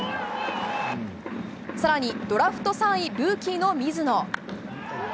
更にドラフト３位ルーキーの水野。